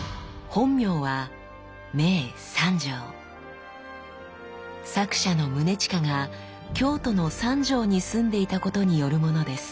本名は作者の宗近が京都の三条に住んでいたことによるものです。